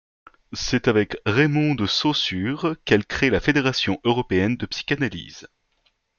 C'est avec Raymond de Saussure qu'elle créée la Fédération européenne de psychanalyse.